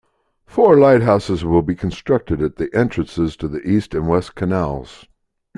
Four lighthouses will be constructed at the entrances to the East and West Canals.